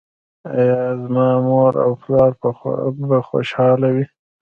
ایا زما مور او پلار به خوشحاله وي؟